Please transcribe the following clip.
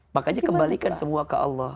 makanya kembalikan semua ke allah